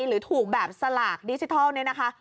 หรือถูกแบบสลากดิจิทัลเนี่ยนะคะ